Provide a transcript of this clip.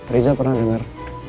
riza pernah denger